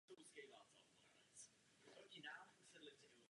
O dva roky později přišel na svět druhý syn Filip.